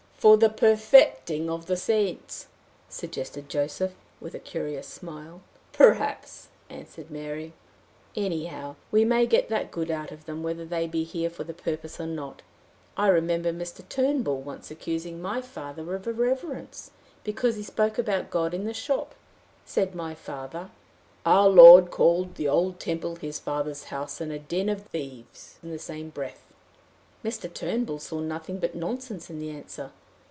"For the perfecting of the saints," suggested Joseph, with a curious smile. "Perhaps," answered Mary. "Anyhow, we may get that good out of them, whether they be here for the purpose or not. I remember Mr. Turnbull once accusing my father of irreverence, because he spoke about God in the shop. Said my father, 'Our Lord called the old temple his father's house and a den of thieves in the same breath.' Mr. Turnbull saw nothing but nonsense in the answer.